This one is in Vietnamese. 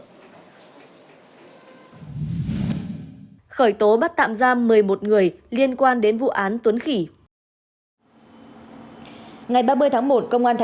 khởi tố bắt tạm giam một mươi một người liên quan đến vụ án tuấn khỉ